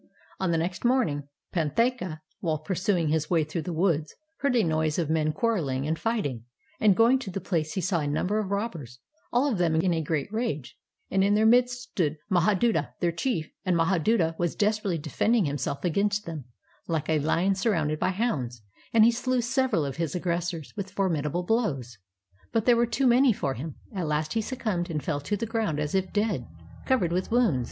On the next morning Panthaka, while pursuing his way through the woods, heard a noise as of men quarrel ing and fighting, and going to the place he saw a number of robbers, all of them in a great rage, and in their midst stood Mah§,duta, their chief; and Mahaduta was des perately defending himself against them, like a lion sur rounded by hounds, and he slew several of his aggressors with formidable blows, but there' were too many for him; at last he succumbed, and fell to the ground as if dead, covered with wounds.